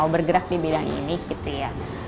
mau bergerak di bidang ini gitu ya